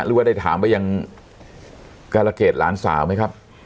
หรือว่าได้ถามไปยังการะเกดหลานสาวไหมครับ